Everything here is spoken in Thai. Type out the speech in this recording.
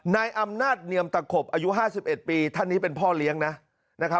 นายอำนาจเนียมตะขบอายุ๕๑ปีท่านนี้เป็นพ่อเลี้ยงนะครับ